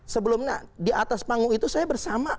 sebelumnya di atas panggung itu saya bersama